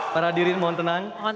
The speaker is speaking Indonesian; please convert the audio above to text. para diri mohon tenang